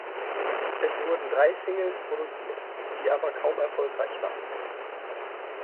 Es wurden drei Singles produziert, die aber kaum erfolgreich waren.